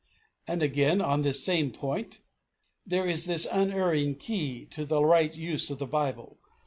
And, again, and on this same point, "There is this unerring key to the right use of the Bible.